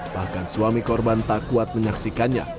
bahkan suami korban tak kuat menyaksikannya